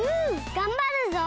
がんばるぞ！